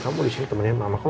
mau ke dokter ini dulu ya